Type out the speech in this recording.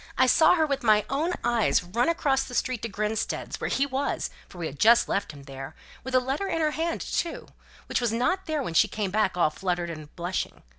I saw her with my own eyes run across the street to Grinstead's, where he was, for we had just left him there; with a letter in her hand, too, which was not there when she came back all fluttered and blushing.